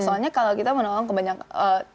soalnya kalau kita menolong kebanyakan